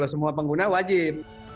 semua pengguna wajib